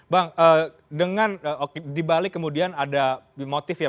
bang dengan dibalik kemudian ada motif ya